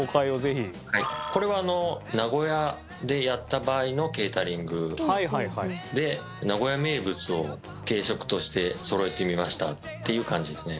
これは名古屋でやった場合のケータリングで名古屋名物を軽食としてそろえてみましたっていう感じですね。